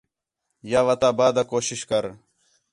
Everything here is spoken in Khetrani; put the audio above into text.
یا وَتا بعد آ کوشش کر